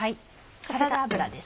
サラダ油です。